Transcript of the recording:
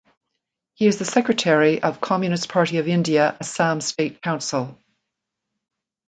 He is the Secretary of Communist Party of India Assam State Council.